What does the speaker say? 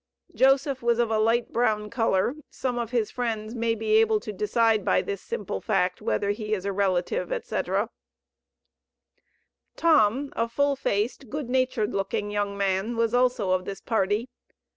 Joseph was of a light brown color, (some of his friends may be able to decide by this simple fact whether he is a relative, etc.). Tom, a full faced, good natured looking young man, was also of this party.